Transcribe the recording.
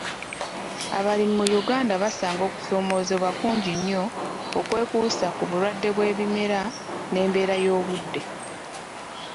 Abalimi mu Uganda basanga okusoomozeebwa kungi nnyo okwekuusa ku bulwadde bw'ebimera n'embeera y'obudde.